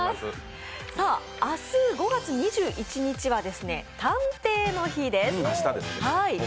明日、５月２１日は探偵の日です。